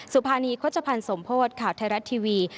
สุภานีโฆษภัณฑ์สมโพธิ์ข่าวไทยรัฐทีวี